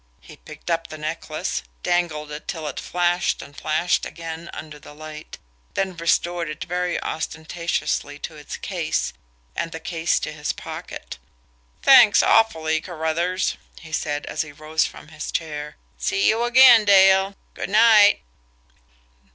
He picked up the necklace, dangled it till it flashed and flashed again under the light, then restored it very ostentatiously to its case, and the case to his pocket. "Thanks awfully, Carruthers," he said, as he rose from his chair. "See you again, Dale. Good night!"